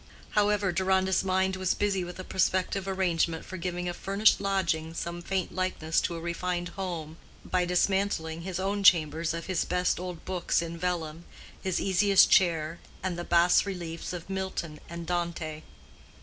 However, Deronda's mind was busy with a prospective arrangement for giving a furnished lodging some faint likeness to a refined home by dismantling his own chambers of his best old books in vellum, his easiest chair, and the bas reliefs of Milton and Dante.